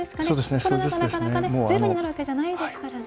コロナが、なかなかゼロになるわけじゃないですからね。